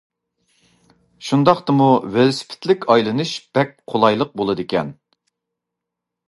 شۇنداقتىمۇ ۋېلىسىپىتلىك ئايلىنىش بەك قولايلىق بولىدىكەن.